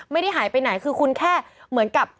ไม่ได้หายไปไหนคือคุณแค่เหมือนกับ